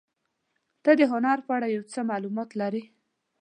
ته د هنر په اړه یو څه معلومات لرې؟